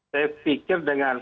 saya pikir dengan